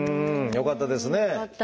よかったです。